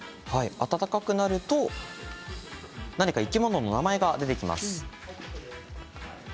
暖かくなると何か生き物の名前が出てきます。